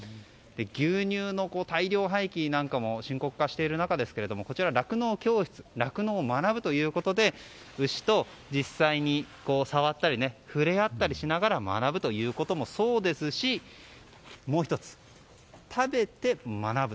牛乳の大量廃棄なんかも深刻化している中ですがこちらは酪農教室で酪農を学ぶということで牛と実際に触れ合ったりしながら学ぶということもそうですしもう１つ、食べて学ぶ。